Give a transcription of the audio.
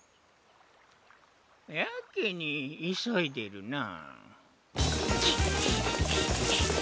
やけにいそいでるな。